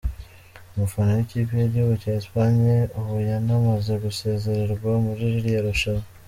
Umufana w’ikipe y’igihugu cya Espagne ubu yanamaze gusezererwa muri ririya rushanwa :.